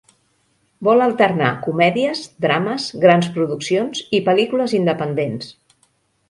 Vol alternar comèdies, drames, grans produccions i pel·lícules independents.